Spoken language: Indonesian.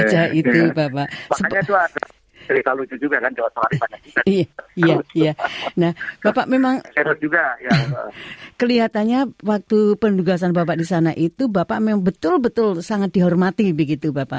jadi merasa terangkat juga gitu